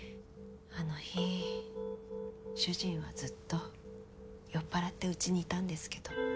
あの日主人はずっと酔っ払ってうちにいたんですけど。